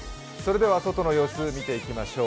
外の様子見ていきましょう。